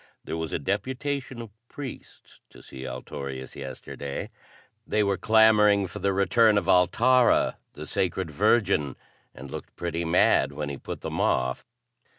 "There was a deputation of priests to see Altorius yesterday. They were clamoring for the return of Altara the Sacred Virgin and looked pretty mad when he put them off."